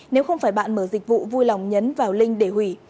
nếu không phải bạn mở dịch vụ vui lòng nhấn vào link để hủy